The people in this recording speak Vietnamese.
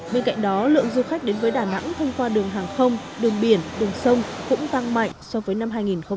bên cạnh đó lượng du khách đến với đà nẵng thông qua đường hàng không đường biển đường sông cũng tăng mạnh so với năm hai nghìn một mươi tám